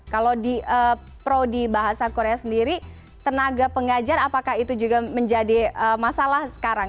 kalau di pro di bahasa korea sendiri tenaga pengajar apakah itu juga menjadi masalah sekarang